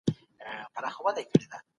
دښمن مي راسي د ورور له کوره